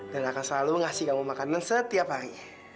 dan akan selalu ngasih kamu makanan setiap hari